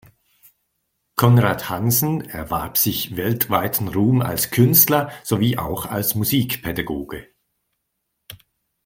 Conrad Hansen erwarb sich weltweiten Ruhm als Künstler sowie auch als Musikpädagoge.